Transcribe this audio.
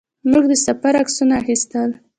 موږ د سفر عکسونه اخیستل.